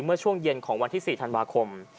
เมื่อช่วงเย็นของวันที่๔ธันวาคม